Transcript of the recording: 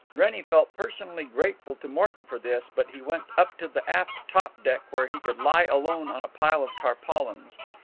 ] Wrennie felt personally grateful to Morton for this, but he went up to the aft top deck, where he could lie alone on a pile of tarpaulins.